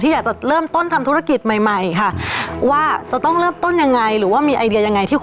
และปสุดท้ายธุรกิจจะอยู่ไม่ได้